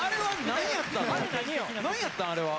何やったんあれは。